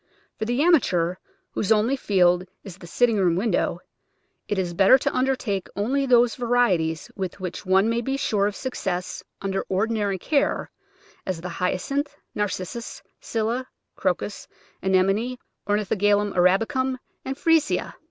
For the amateur, whose only field is the sitting room window, it is better to undertake only those varieties with which one may be sure of success under ordinary care, as the Hyacinth, Narcissus, Scilla, Crocus, Anemone, Ornithogalum arabicum, and Freesia.